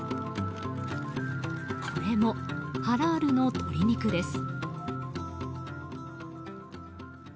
これも、ハラールの鶏肉です。